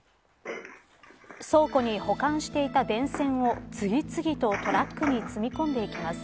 倉庫に保管していた電線を次々とトラックに積み込んでいきます。